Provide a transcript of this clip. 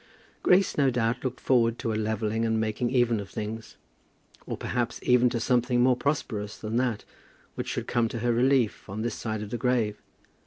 Grace no doubt looked forward to a levelling and making even of things, or perhaps even to something more prosperous than that, which should come to her relief on this side of the grave.